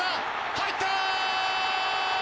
入った！